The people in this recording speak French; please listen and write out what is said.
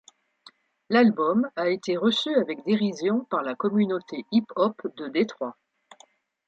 L'album a été reçu avec dérision par la communauté hip-hop de Détroit.